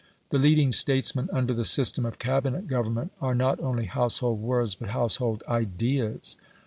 The leading statesmen under the system of Cabinet government are not only household words, but household IDEAS.